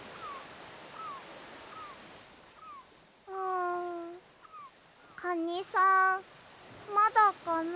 んカニさんまだかな。